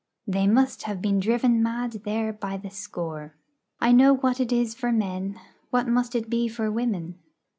They must be driven mad there by the score. I know what it is for men; what must it be for women?